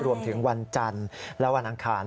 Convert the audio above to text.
วันจันทร์และวันอังคาร